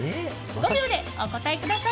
５秒でお答えください。